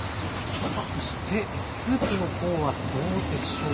さあそしてスープのほうはどうでしょうか？